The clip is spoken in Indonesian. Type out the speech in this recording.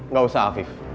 gak usah afif